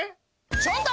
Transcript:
ちょっと！